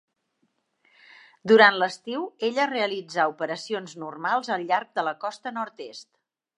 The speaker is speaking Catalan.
Durant l'estiu, ella realitzà operacions normals al llarg de la costa nord-est.